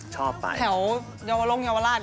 แถวเยาวร่งเยาวราชอย่างนี้ไม่ได้